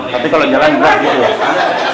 tapi kalau jalan berat juga